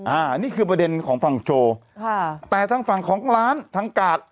อันนี้คือประเด็นของฝั่งโชว์ค่ะแต่ทางฝั่งของร้านทางกาด